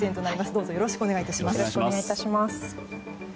どうぞよろしくお願い致します。